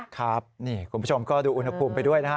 ครับนี่คุณผู้ชมก็ดูอุณหภูมิไปด้วยนะฮะ